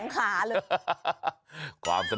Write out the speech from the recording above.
สองขาเลย